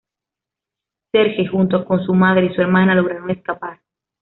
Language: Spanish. Serge, junto con su madre y su hermana lograron escapar.